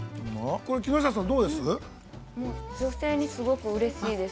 これ木下さん、どうです？